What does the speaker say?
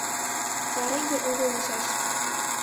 Пареҥге огыл лийшаш.